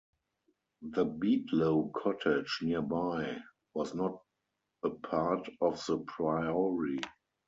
The Beadlow Cottage, nearby, was not a part of the priory.